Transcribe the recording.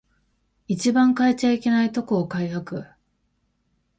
一番変えちゃいけないとこを改悪